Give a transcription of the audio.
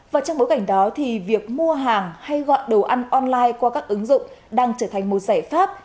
và trong bối cảnh đó thì việc mua hàng hay gọi đồ ăn online qua các ứng dụng đang trở thành một giải pháp